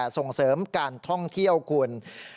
ส่งเสริมการท่องเที่ยวคุณ